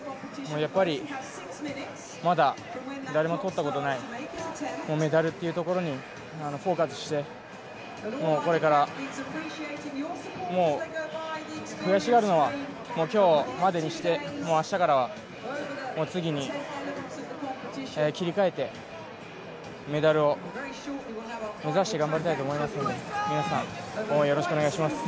やっぱり、まだ誰も取ったことないメダルというところにフォーカスして悔しがるのは今日までにして、明日からは次に切り替えてメダルを目指して頑張りたいと思いますので皆さん、応援よろしくお願いします